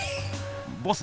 ボス！